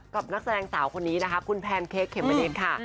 นักแสดงสาวคนนี้นะคะคุณแพนเค้กเขมมะเด็นค่ะ